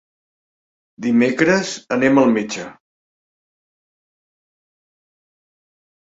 Dimecres anem al metge.